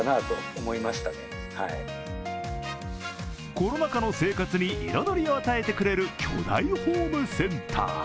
コロナ禍の生活に彩りを与えてくれる巨大ホームセンター。